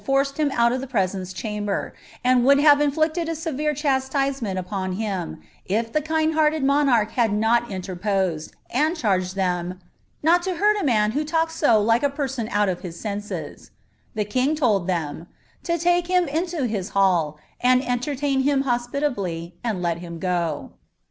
55 ISrtti Wm out of Ihe prMence rharaber, and would have inflicW a •enre chastisement npou liim, if the kind heaneJ monarch had not ItileqMwed, and charged ihem " ntit to hurt s man who talked ao like a .Ml out of his scnBes," The king lold ihem "to lake him into his , nud entertain him hospitably, and let him go."